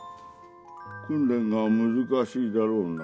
訓練が難しいだろうな。